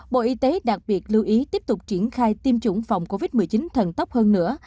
bộ y tế đặc biệt lưu ý tiếp tục triển khai tiêm chủng phòng covid một mươi chín thần tốc hơn nữa